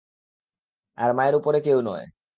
আর মায়ের উপরে কেউ নয়।